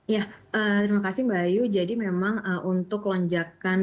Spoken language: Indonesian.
ya terima kasih mbak ayu jadi memang untuk lonjakan